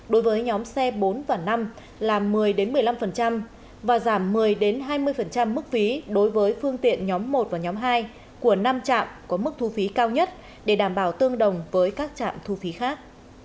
đối với nhóm xe bốn và năm là một mươi một mươi năm và giảm một mươi hai mươi mức phí đối với phương tiện nhóm một và nhóm hai của năm trạm có mức thu phí cao nhất để đảm bảo tương đồng với các trạm thu phí khác